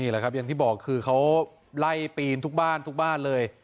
แหละครับอย่างที่บอกคือเขาไล่ปีนทุกบ้านทุกบ้านเลย